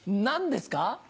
何ですか？